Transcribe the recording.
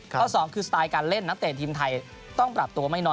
สองคือสไตล์การเล่นนักเตะทีมไทยต้องปรับตัวไม่น้อย